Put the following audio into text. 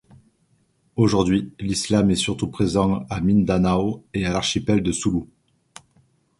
Aujourd’hui, l’islam est surtout présent à Mindanao et à l’archipel de Sulu.